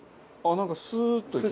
なんかスーッといける。